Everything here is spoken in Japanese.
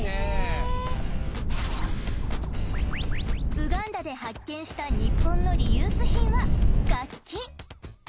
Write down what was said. ウガンダで発見したニッポンのリユース品は楽器！